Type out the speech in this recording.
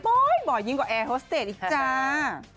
บ่อยยิ่งกว่าแอร์โฮสเตจอีกจ้า